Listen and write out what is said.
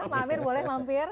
mampir boleh mampir